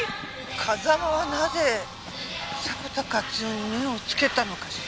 風間はなぜ迫田勝代に目をつけたのかしら。